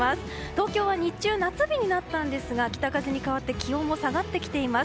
東京は日中夏日になったんですが北風に変わって気温も下がってきています。